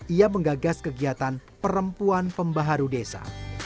ia menggagas kegiatan perempuan pembaharu desa